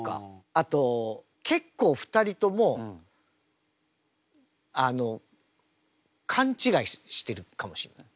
あと結構２人ともあのかんちがいしてるかもしれない。